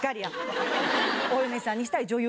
お嫁さんにしたい女優